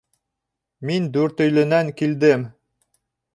Мин Дүртөйлөнән килдем.